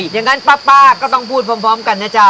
อย่างงั้นป๊าป๊าก็ต้องพูดพร้อมกันนะเจ้า